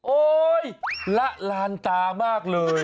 โอ๊ยละลานตามากเลย